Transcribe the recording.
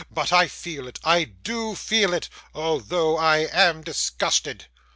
But I feel it, I do feel it, although I am disgusted.